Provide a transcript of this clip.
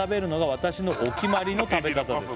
「私のお決まりの食べ方です」